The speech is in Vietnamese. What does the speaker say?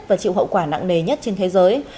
và chịu hậu quả nặng nề nhất trên thế giới